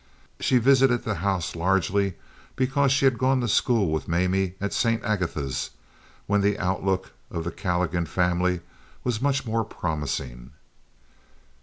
She visited the house largely because she had gone to school with Mamie at St. Agatha's, when the outlook of the Calligan family was much more promising.